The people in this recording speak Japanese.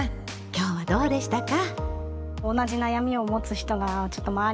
今日はどうでしたか？